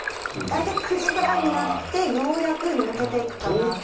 大体９時ぐらいになってようやく抜けていくかなという。